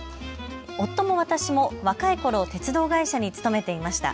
夫も私も若いころ鉄道会社に勤めていました。